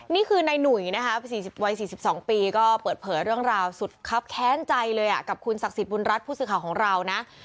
นี่คือนายหนุ่ยนะคะวัย๔๒ปีก็เปิดเผยเรื่องราวสุดครับแค้นใจเลยกับคุณศักดิ์สิทธิบุญรัฐผู้สื่อข่าวของเรานะ